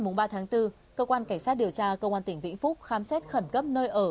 tối ngày ba tháng bốn cơ quan cảnh sát điều tra cơ quan tỉnh vĩnh phúc khám xét khẩn cấp nơi ở